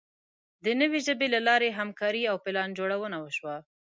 د نوې ژبې له لارې همکاري او پلانجوړونه وشوه.